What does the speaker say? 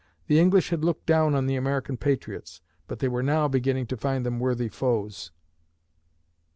The English had looked down on the American patriots, but they were now beginning to find them worthy foes.